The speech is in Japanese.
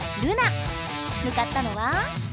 むかったのは。